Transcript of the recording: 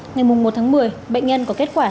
ngày một tháng một mươi bệnh nhân có kết quả